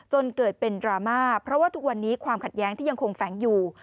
จนเกิดเป็นดราม่าเพราะว่าทุกวันนี้ความขัดแย้งที่ยังคงแฝงอยู่